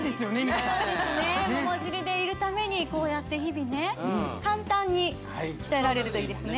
皆さんそうですね桃尻でいるためにこうやって日々ね簡単に鍛えられるといいですね